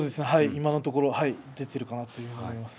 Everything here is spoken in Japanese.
今のところ出ているなと思います。